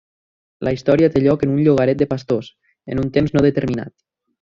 La història té lloc en un llogaret de pastors, en un temps no determinat.